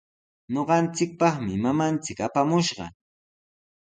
Ñuqanchikpaqmi mamanchik apamushqa.